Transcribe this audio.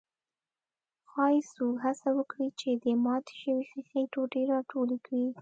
ښايي څوک هڅه وکړي چې د ماتې شوې ښيښې ټوټې راټولې کړي.